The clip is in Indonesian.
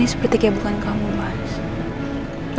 ini seperti kebukan kamu bas